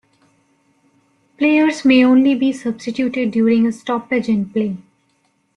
Players may only be substituted during a stoppage in play.